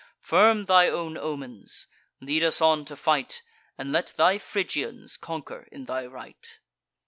Firm thy own omens; lead us on to fight; And let thy Phrygians conquer in thy right."